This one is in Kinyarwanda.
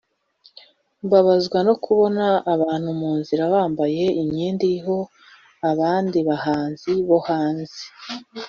’’Mbabazwa no kubona abantu mu nzira bambaye imyenda iriho abandi bahanzi bo hanze